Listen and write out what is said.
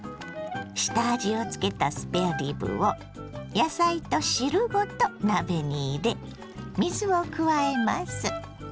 下味をつけたスペアリブを野菜と汁ごと鍋に入れ水を加えます。